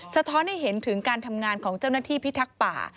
สะท้อนให้เห็นถึงการทำงานของเจ้าหน้าที่พิทักษ์ป่า